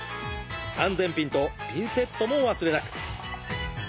安全ピンとピンセットもお忘れなく。